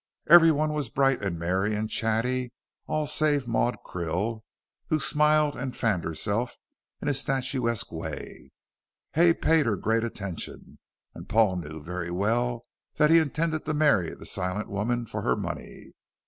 Everyone was bright and merry and chatty: all save Maud Krill who smiled and fanned herself in a statuesque way. Hay paid her great attention, and Paul knew very well that he intended to marry the silent woman for her money.